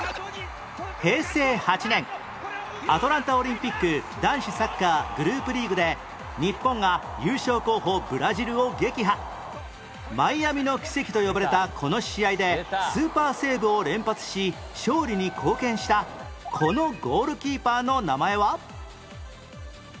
平成８年アトランタオリンピック男子サッカーグループリーグでマイアミの奇跡と呼ばれたこの試合でスーパーセーブを連発し勝利に貢献したこのゴールキーパーの名前は？